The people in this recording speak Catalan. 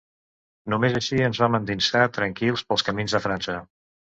Només així ens vam endinsar tranquils pels camins de França.